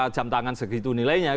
jam tangan segitu nilainya